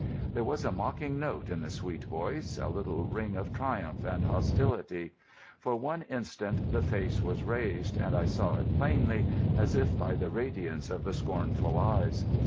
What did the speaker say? There was a mocking note in the sweet voice, a little ring of triumph and hostility. For one instant the face was raised, and I saw it plainly, as if by the radiance of the scornful eyes.